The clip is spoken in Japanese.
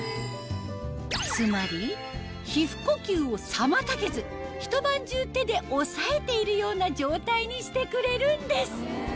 つまり皮膚呼吸を妨げずひと晩中手で押さえているような状態にしてくれるんです